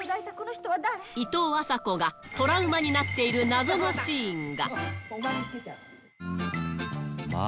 いとうあさこがトラウマになっている謎のシーンが。